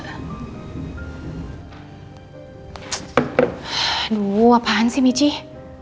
aduh apaan sih michi